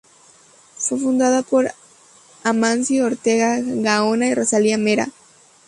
Fue fundada por Amancio Ortega Gaona y Rosalía Mera.